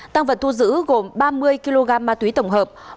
tăng vật thu giữ gồm ba mươi kg ma túy tổng hợp